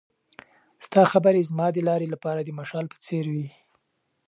ستا خبرې زما د لارې لپاره د مشال په څېر وې.